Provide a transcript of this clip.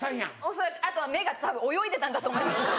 恐らくあとは目がたぶん泳いでたんだと思います。